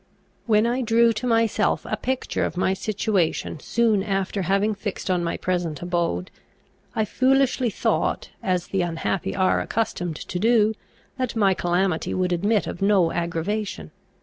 When I drew to myself a picture of my situation soon after having fixed on my present abode, I foolishly thought, as the unhappy are accustomed to do, that my calamity would admit of no aggravation.